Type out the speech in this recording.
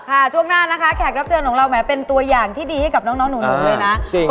ช่วงหน้านะคะแขกรับเชิญของเราแม้เป็นตัวอย่างที่ดีให้กับน้องหนูเลยนะ